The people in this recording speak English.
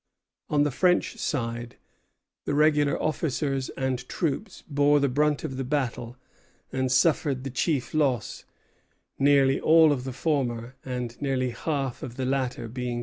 On the French side, the regular officers and troops bore the brunt of the battle and suffered the chief loss, nearly all of the former and nearly half of the latter being killed or wounded.